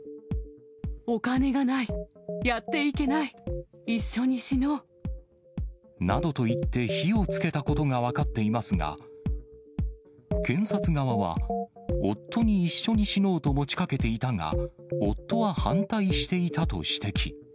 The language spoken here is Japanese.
お金がない、やっていけない、一緒に死のう。などと言って、火をつけたことが分かっていますが、検察側は、夫に一緒に死のうと持ちかけていたが、夫は反対していたと指摘。